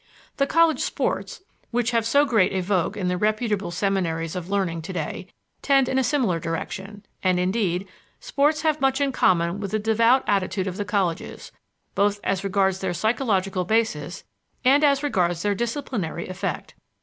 The college sports, which have so great a vogue in the reputable seminaries of learning today, tend in a similar direction; and, indeed, sports have much in common with the devout attitude of the colleges, both as regards their psychological basis and as regards their disciplinary effect.